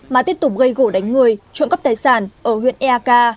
mà tiếp tục gây gỗ đánh người trộm cắp tài sản ở huyện eak